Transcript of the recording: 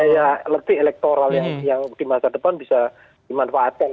daya elektrik elektoral yang di masa depan bisa dimanfaatkan